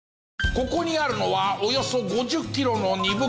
ここにあるのはおよそ５０キロの荷袋。